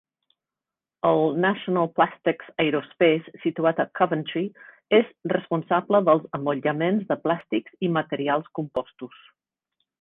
El National Plastics Aerospace situat a Coventry, és responsable dels emmotllaments de plàstics i materials compostos.